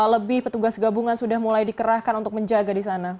lima lebih petugas gabungan sudah mulai dikerahkan untuk menjaga di sana